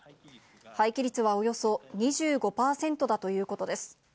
廃棄率はおよそ２５％だということです。